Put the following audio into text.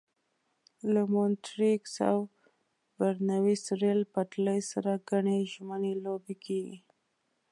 له مونټریکس او برنویس ریل پټلۍ سره ګڼې ژمنۍ لوبې کېږي.